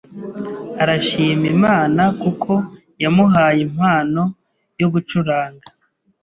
arashima Imana kuko yamuhaye impano yo gucuranga